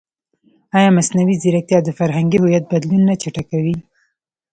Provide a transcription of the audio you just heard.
ایا مصنوعي ځیرکتیا د فرهنګي هویت بدلون نه چټکوي؟